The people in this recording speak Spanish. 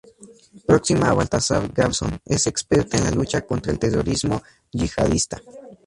Próxima a Baltasar Garzón, es experta en la lucha contra el terrorismo yihadista.